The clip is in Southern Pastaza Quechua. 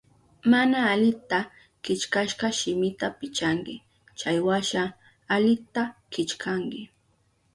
Mana alita killkashka shimita pichanki, chaywasha alita killkanki.